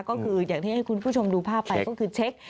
ก็คืออย่างที่ให้คุณผู้ชมดูภาพไปก็คือเช็ค